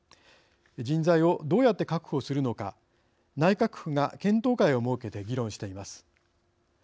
人材をどうやって確保するのか内閣府が検討会を設けて議論しています。